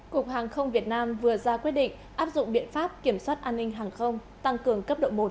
cục hàng không việt nam vừa ra quyết định áp dụng biện pháp kiểm soát an ninh hàng không tăng cường cấp độ một